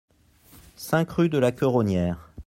cinq rue de la Queronnière